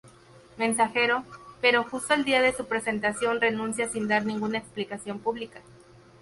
Mensajero, pero justo el día de su presentación, renuncia sin dar ninguna explicación publica.